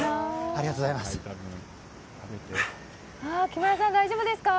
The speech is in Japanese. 木村さん、大丈夫ですか？